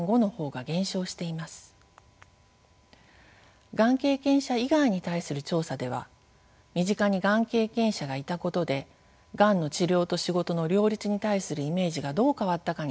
がん経験者以外に対する調査では身近にがん経験者がいたことでがんの治療と仕事の両立に対するイメージがどう変わったかについて尋ねました。